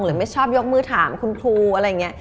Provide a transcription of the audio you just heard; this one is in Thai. ไม่ชอบยกมือถามคุณครูอะไรอย่างนี้